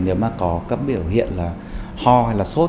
nếu mà có cấm biểu hiện là ho hay là sốt